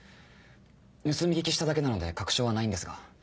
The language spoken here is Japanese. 盗み聞きしただけなので確証はないんですが。